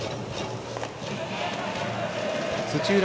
土浦